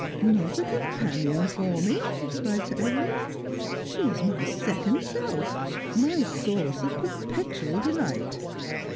' Not a companion for me !' cried Sir Everard. ' She is my second self — my source of perpetual delight.